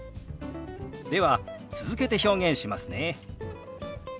では続けて表現しますね。